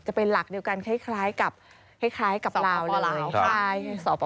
จะเป็นหลักเดียวกันคล้ายกับราวเลย